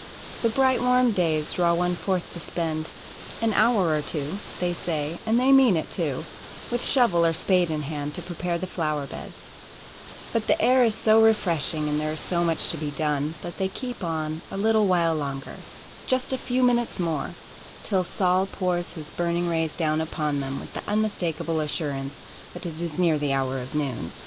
The bright warm days draw one forth to spend "an hour or two" they say, and they mean it too with shovel or spade in hand to prepare the flower beds, but the air is so refreshing, and there is so much to be done, that they keep on "a little while longer," "just a few minutes more," till Sol pours his burning rays down upon them with the unmistakable assurance that it is near the hour of noon.